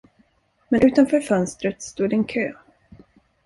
Men utanför fönstret stod en kö.